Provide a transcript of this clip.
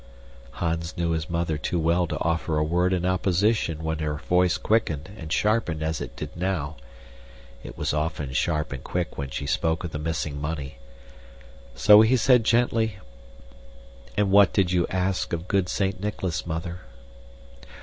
Hans knew his mother too well to offer a word in opposition when her voice quickened and sharpened as it did now (it was often sharp and quick when she spoke of the missing money), so he said gently, "And what did you ask of good Saint Nicholas, Mother?"